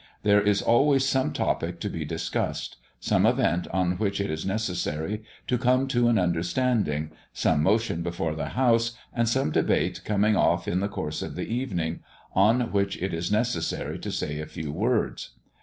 There is always some topic to be discussed; some event on which it is necessary to come to an understanding; some motion before the House, and some debate coming off in the course of the evening, on which it is necessary to say a few words.